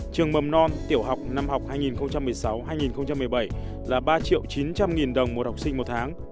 trường mầm non tiểu học năm học hai nghìn một mươi sáu hai nghìn một mươi bảy là ba chín trăm linh nghìn đồng một học sinh một tháng